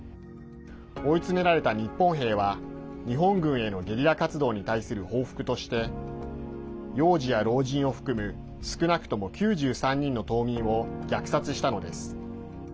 追い詰められた日本兵は日本軍へのゲリラ活動に対する報復として幼児や老人を含む少なくとも９３人の島民を虐殺したのです。